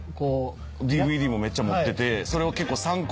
ＤＶＤもめっちゃ持ってて。